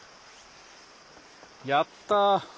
やった！